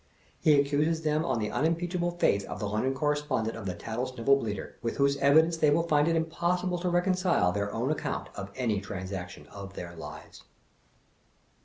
He accuses them on the unimpeachable faith of the London Correspondent of The Tattlesnivel Bleater. With whose evidence they will find it impossible to reconcile their own account of any transaction of their lives.